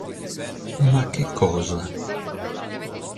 Ma che cosa?